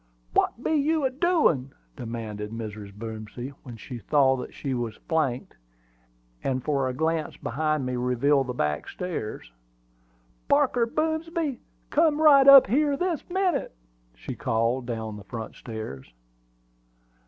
"What be you a doin'?" demanded Mrs. Boomsby, when she saw that she was flanked; for a glance behind me revealed the back stairs. "Parker Boomsby, come right up here, this minute!" she called down the front stairs.